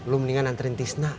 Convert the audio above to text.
lo mendingan nganterin tisna